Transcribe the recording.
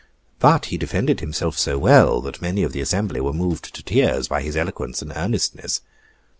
But he defended himself so well, that many of the assembly were moved to tears by his eloquence and earnestness.